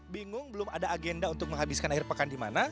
bingung belum ada agenda untuk menghabiskan akhir pekan di mana